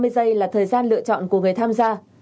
ba mươi giây là thời gian lựa chọn của người tham gia